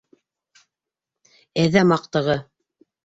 Әҙәм аҡтығы!